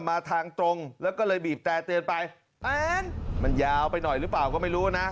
มาทางตรงแล้วก็เลยบีบแต่เตือนไปมันยาวไปหน่อยหรือเปล่าก็ไม่รู้นะ